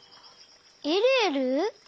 えるえる？